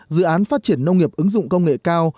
dự án phát triển nông nghiệp ứng dụng công nghệ cao